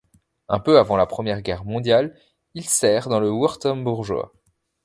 Un peu avant la Première Guerre mondiale, il sert dans le wurtembourgeois.